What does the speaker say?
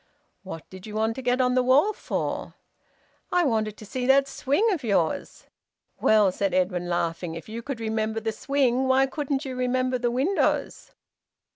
"What did you want to get on the wall for?" "I wanted to see that swing of yours." "Well," said Edwin, laughing, "if you could remember the swing why couldn't you remember the windows?"